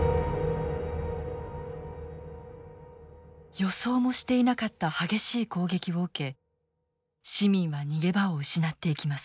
予想もしていなかった激しい攻撃を受け市民は逃げ場を失っていきます。